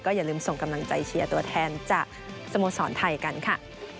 อย่าลืมส่งกำลังใจเชียร์ตัวแทนจากสโมสรไทยกันค่ะ